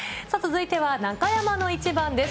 続いては中山のイチバンです。